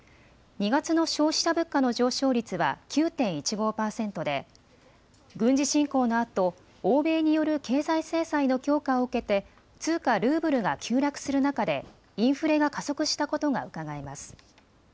２月の消費者物価の上昇率は９．１５％で軍事侵攻のあと欧米による経済制裁の強化を受けて通貨ルーブルが急落する中でインフレが加速したことがうかがえます。